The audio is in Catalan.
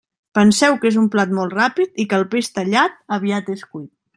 Penseu que és un plat molt ràpid i que el peix tallat aviat és cuit.